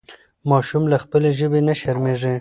ماشوم له خپلې ژبې نه شرمېږي.